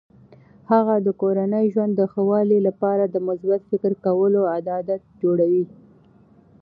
هغه د کورني ژوند د ښه والي لپاره د مثبت فکر کولو عادات جوړوي.